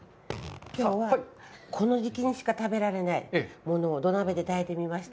きょうは、この時期にしか食べられないものを土鍋で炊いてみました。